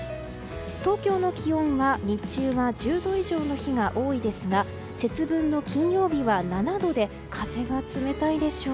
東京の気温は日中は１０度以上の日が多いですが節分の金曜日は７度で風が冷たいでしょう。